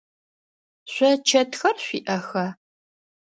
Шъо чэтхэр шъуиӏэха?